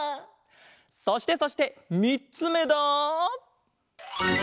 そしてそしてみっつめだ。